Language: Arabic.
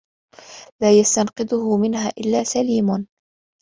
وَلَا يَسْتَنْقِذُهُ مِنْهَا إلَّا سَلِيمٌ